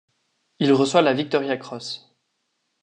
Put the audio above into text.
Il reçoit la Victoria Cross.